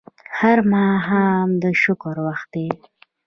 هر ماښام د شکر وخت دی